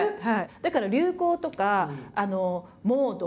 だから流行とかモード